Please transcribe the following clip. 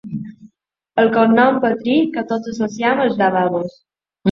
El cognom petri que tots associem als lavabos.